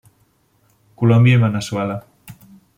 Colòmbia i Veneçuela.